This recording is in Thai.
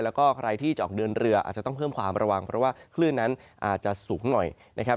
แล้วก็ใครที่จะออกเดินเรืออาจจะต้องเพิ่มความระวังเพราะว่าคลื่นนั้นอาจจะสูงหน่อยนะครับ